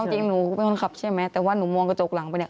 จริงหนูเป็นคนขับใช่ไหมแต่ว่าหนูมองกระจกหลังไปเนี่ย